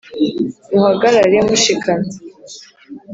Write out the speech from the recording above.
Muhagarare mushikamye.